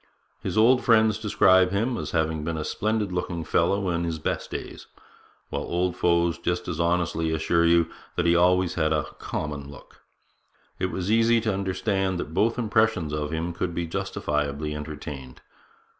His old friends describe him as having been a splendid looking fellow in his best days; while old foes just as honestly assure you that he always had a 'common' look. It is easy to understand that both impressions of him could be justifiably entertained.